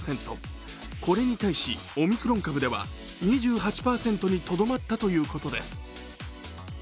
これに対し、オミクロン株では２８％にとどまったということです。